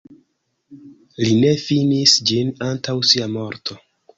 Li ne finis ĝin antaŭ sia morto.